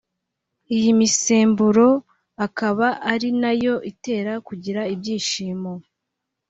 iyi misemburo akaba ari nayo itera kugira ibyishimo